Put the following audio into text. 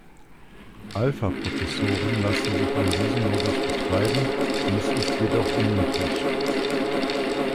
Alpha-Prozessoren lassen sich in diesem Modus betreiben, dies ist jedoch unüblich.